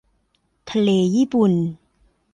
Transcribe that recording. ทะเลญี่ปุ่น